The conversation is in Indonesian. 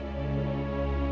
oka dapat mengerti